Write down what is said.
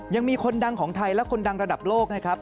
ยังมีคนดังของไทยและคนดังระดับโลกนะครับ